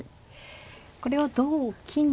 これは同金ですと。